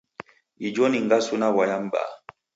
Ijo ni ngasu na w'aya m'baa.